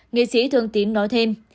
nghệ sĩ thương tín nói thêm